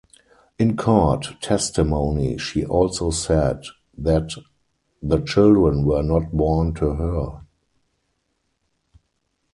In court testimony she also said that the children were not born to her.